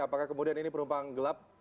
apakah kemudian ini penumpang gelap